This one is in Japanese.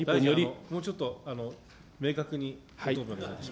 もうちょっと明確にお願いします。